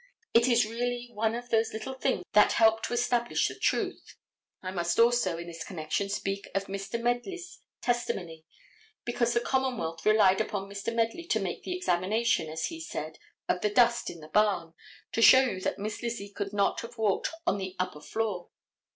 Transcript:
It is really one of those little things that help to establish the truth. I must also in this connection speak of Mr. Medley's testimony, because the commonwealth relied upon Mr. Medley to make the examination, as he said, of the dust in the barn, to show you that Miss Lizzie could not have walked on the upper floor.